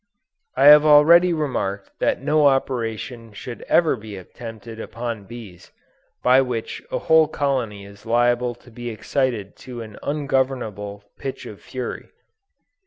I have already remarked that no operation should ever be attempted upon bees, by which a whole colony is liable to be excited to an ungovernable pitch of fury.